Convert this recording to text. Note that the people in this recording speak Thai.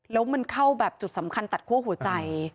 แล้วมันเข้าแบบจุดสำคัญตัดคั่วหัวใจ